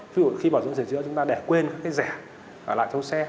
ví dụ khi bảo dưỡng sửa chữa chúng ta để quên các cái rẻ ở lại trong xe